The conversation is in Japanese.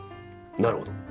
なるほど。